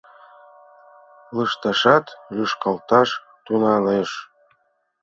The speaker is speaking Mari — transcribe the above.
Лышташат лӱшкалташ тӱҥалеш.